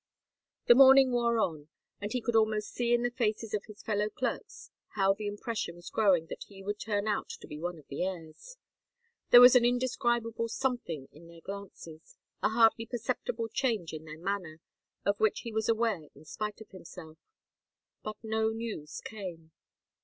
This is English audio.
The morning wore on, and he could almost see in the faces of his fellow clerks how the impression was growing that he would turn out to be one of the heirs. There was an indescribable something in their glances, a hardly perceptible change in their manner, of which he was aware in spite of himself. But no news came.